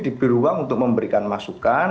diberi ruang untuk memberikan masukan